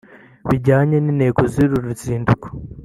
Bijyanye n’intego z’uru ruzinduko